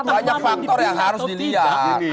banyak faktor yang harus dilihat